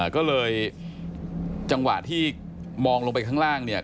ก็เลยจังหวะที่มองลงไปข้างล่างเนี่ย